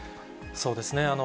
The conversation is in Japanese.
そうですね。